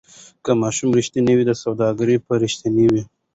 که ماشوم ریښتینی وي سوداګر به ریښتینی وي.